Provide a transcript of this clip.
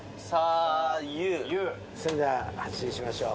それでは発進しましょう。